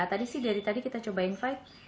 tadi sih dari tadi kita coba invite